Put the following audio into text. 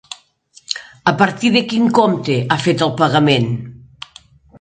A partir de quin compte ha fet el pagament?